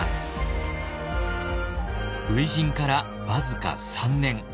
初陣から僅か３年。